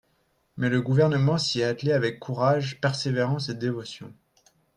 Mais le Gouvernement s’y est attelé avec courage, persévérance et dévotion.